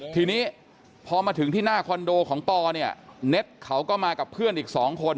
ทีนี้พอมาถึงที่หน้าคอนโดของปอเนี่ยเน็ตเขาก็มากับเพื่อนอีกสองคน